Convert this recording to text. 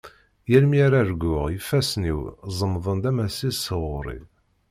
Yal mi ara arguɣ ifassen-iw ẓemḍen-d ammas-is ɣur-i.